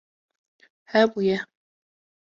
Hebûye